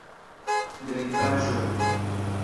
drinkaĵo